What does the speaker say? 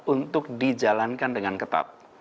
untuk di jalankan dengan ketat